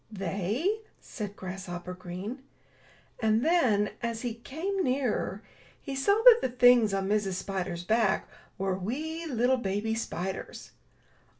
"They!" said Grasshopper Green. And then, as he came nearer, he saw that the things on Mrs. Spider's back were wee little baby spiders.